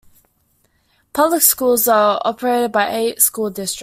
Public schools are operated by eight school districts.